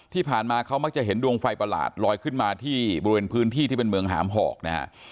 ที่ผ่านมาเขามักจะเห็นดวงไฟประหลาดลอยขึ้นมาที่บริเวณพื้นที่ที่เป็นเมืองหามหอกนะฮะ